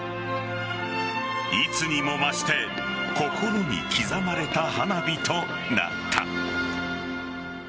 いつにも増して心に刻まれた花火となった。